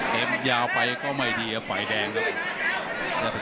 เกมยาวไปก็ไม่ดีครับไฟแดงครับ